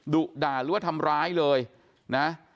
ดุด่าหรือว่าทำร้ายเลยนะ